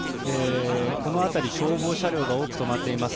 この辺り消防車両が多く止まっています。